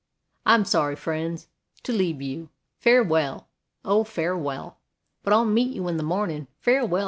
I'm sorry, frien's, to leabe you; Fafewell! oh, farewell! But I'll meet you in de mornin'; Farewell!